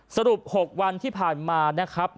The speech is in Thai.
สรุป๖วันที่ผ่านมานะครับ